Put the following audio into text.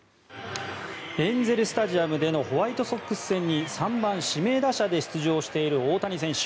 エンゼル・スタジアムでのホワイトソックス戦に３番指名打者で出場した大谷選手。